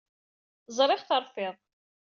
Ẓriɣ terfid.